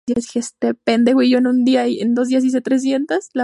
La Villedieu-du-Clain